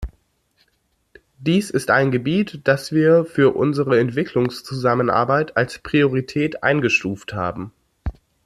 Dies ist ein Gebiet, das wir für unsere Entwicklungszusammenarbeit als Priorität eingestuft haben.